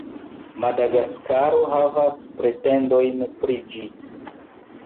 Madagaskaro havas pretendojn pri ĝi.